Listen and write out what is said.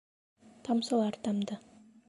Тамсылар тамды.